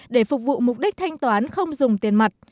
để phục vụ mục đích thanh toán không dùng tiền mặt